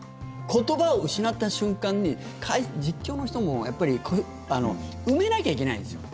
言葉を失った瞬間に実況の人もやっぱり埋めなきゃいけないんですよ。